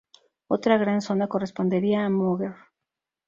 Otra gran zona correspondería a Moguer.